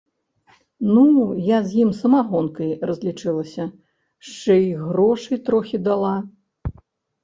Ну, я з ім самагонкай разлічылася, шчэ й грошай трохі дала.